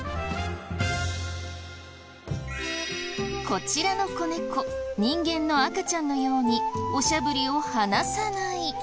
こちらの子猫人間の赤ちゃんのようにおしゃぶりを離さない。